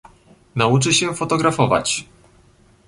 "Nauczy się fotografować."